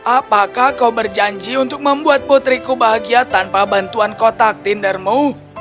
apakah kau berjanji untuk membuat putriku bahagia tanpa bantuan kotak tindermu